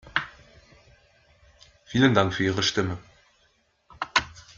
Vielen Dank für Ihre Stimme.